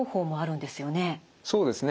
そうですね。